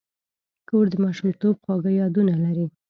کور د ماشومتوب خواږه یادونه لري.